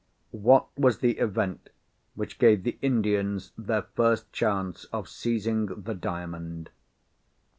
What was the event which gave the Indians their first chance of seizing the Diamond?"